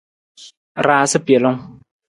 Raasa pelung.